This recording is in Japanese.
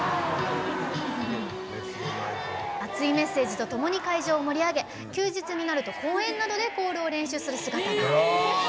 熱いメッセージとともに会場を盛り上げ休日になると公園などでコールを練習する姿も。